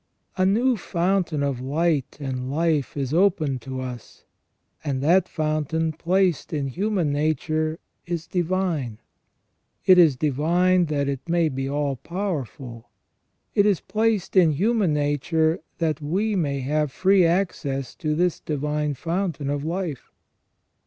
A new fountain of light and life is opened to us, and that fountain placed in human nature is divine. It is divine that it may be all powerful ; it is placed in human nature that we may have free access to this divine fountain of life.